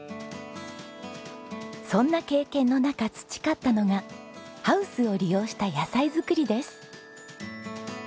そんな経験の中培ったのがハウスを利用した野菜作りです。